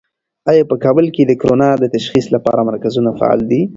آیا په کابل کې د کرونا د تشخیص لپاره مرکزونه فعال دي؟